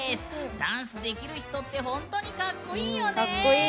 ダンスできる人って本当にかっこいいよね。